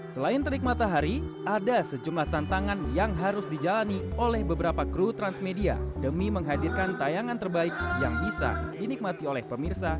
selain terik matahari ada sejumlah tantangan yang harus dijalani oleh beberapa kru transmedia demi menghadirkan tayangan terbaik yang bisa dinikmati oleh pemirsa